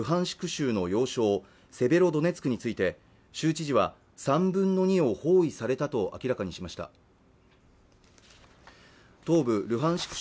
州の要衝セベロドネツクについて州知事は３分の２を包囲されたと明らかにしました東部ルハンシク